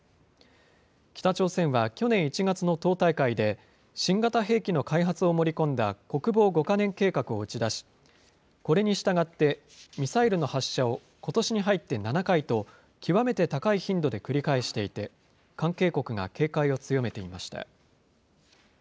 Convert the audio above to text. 北朝鮮は去年１月の党大会で、新型兵器の開発を盛り込んだ国防５か年計画を打ち出し、これに従ってミサイルの発射をことしに入って７回と、極めて高い頻度で繰り返していて、関係国が警戒を強めていました。